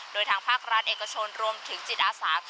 โดยทางภาครัฐเอกชนรวมถึงจิตอาสา